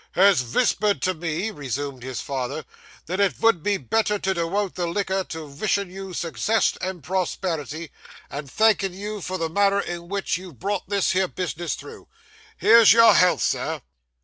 ' Has vispered to me,' resumed his father, 'that it vould be better to dewote the liquor to vishin' you success and prosperity, and thankin' you for the manner in which you've brought this here business through. Here's your health, sir.